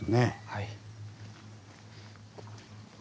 はい。